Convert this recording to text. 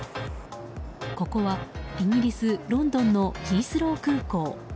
ここはイギリス・ロンドンのヒースロー空港。